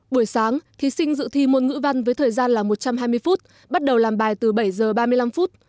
buổi sáng thí sinh dự thi môn ngữ văn với thời gian là một trăm hai mươi phút bắt đầu làm bài từ bảy giờ ba mươi năm phút